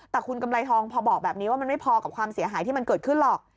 แต่คุณกำไรทองพอบอกแบบนี้ว่ามันไม่พอกับความเสียหายที่มันเกิดขึ้นหรอก